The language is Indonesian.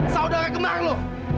saudara kemar lo